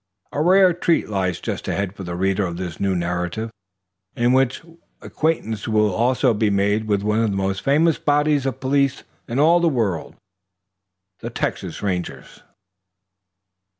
A rare treat lies just ahead for the reader of this new narrative, in which acquaintance will also be made with one of the most famous bodies of police in all the world, the Texas Rangers.